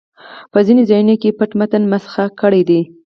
په ځینو ځایونو کې یې متن مسخ کړی دی.